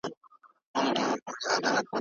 کاردستي د ماشومانو د تخلیقي فکر تمرین دی.